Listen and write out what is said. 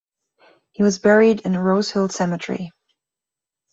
He was buried in Rosehill Cemetery.